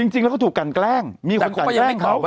จริงแล้วเขาถูกกันแกล้งมีคนกันแกล้งเขา